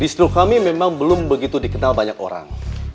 di seluruh kami memang belum begitu dikenal banyak orang